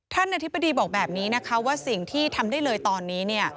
ท่านอธิบดีบอกแบบนี้ว่าสิ่งที่ทำได้เลยตอนนี้